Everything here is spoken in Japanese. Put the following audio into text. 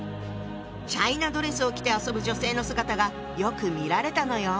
チャイナドレスを着て遊ぶ女性の姿がよく見られたのよ。